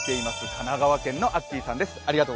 神奈川県のアッキーさんです。